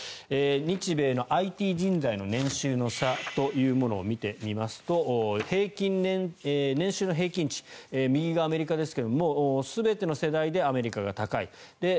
日米のＩＴ人材の年収の差というものを見てみますと年収の平均値右がアメリカですが全ての世代でアメリカが高い。